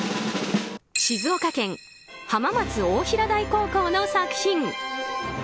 静岡県浜松大平台高校の作品。